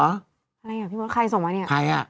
อะไรอ่ะพี่มสใครส่งมาเนี่ย